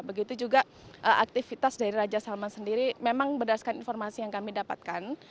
begitu juga aktivitas dari raja salman sendiri memang berdasarkan informasi yang kami dapatkan